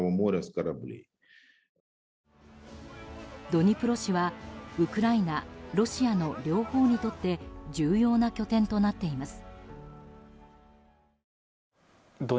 ドニプロ市は、ウクライナロシアの両方にとって重要な拠点となっています。